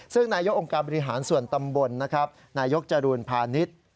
ซึ่งนายกองค์การบริหารส่วนตำบลนะครับนายกจรูนพาณิชย์